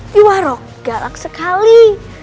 diwarok galak sekali